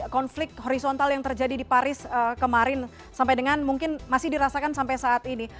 konflik horizontal yang terjadi di paris kemarin sampai dengan mungkin masih dirasakan sampai saat ini